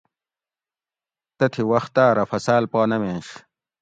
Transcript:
تتھی وختاۤ رہ فصاۤل پا نہ ویںش